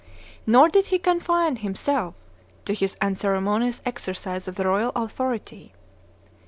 Nor did he confine himself to this unceremonious exercise of the royal authority.